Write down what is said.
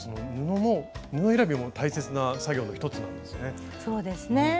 布選びも大切な作業の一つなんですね。